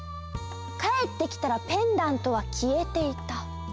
かえってきたらペンダントはきえていた。